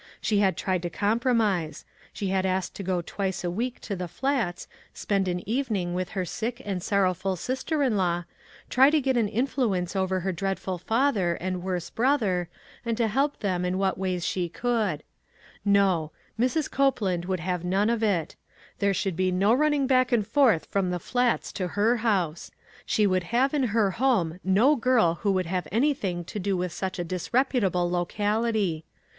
She had tried to compro mise ; she had asked to go twice a week to the Flats, spend an evening with her sick and sorrowful sister in law, try to get an THE PAST AND THE PRESENT. 185 influence over her dreadful father and worse brother, and to help them in what ways she could. No ; Mrs. Copeland would have none of it. There should be no running back and forth from the Flats to her house. She would have in her home no girl who would have anything to do with such a dis reputable locality.